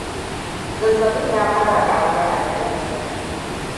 zazzabin ya fara karuwa a daren jiya